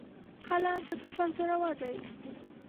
قلم تر توپک زورور دی.